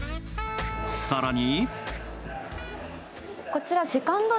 さらに。